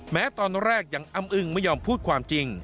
แม้ตอนแรกยังอ้ำอึงไม่ยอมพูดความจริง